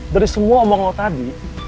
dari semua omong o tadi